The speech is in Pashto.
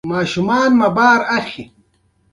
ماشوم مو وزن اخلي؟